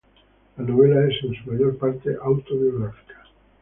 La novela es en su mayor parte autobiográfica.